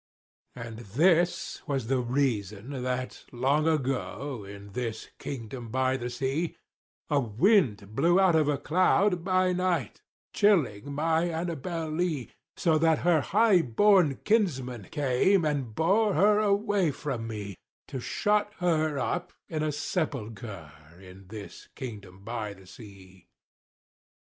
And this was the reason that, long ago, In this kingdom by the sea, A wind blew out of a cloud by night Chilling my ANNABEL LEE; So that her high born kinsmen came And bore her away from me, To shut her up, in a sepulchre In this kingdom by the sea.